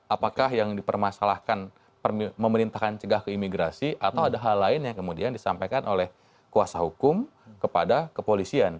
apakah yang dipermasalahkan memerintahkan cegah ke imigrasi atau ada hal lain yang kemudian disampaikan oleh kuasa hukum kepada kepolisian